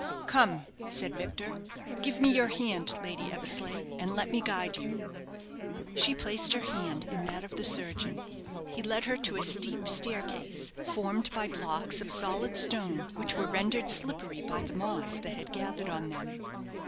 "Come," said Victor; "give me your hand, Lady Eversleigh, and let me guide you." She placed her hand in that of the surgeon. He led her to a steep staircase, formed by blocks of solid stone, which were rendered slippery by the moss that had gathered on them.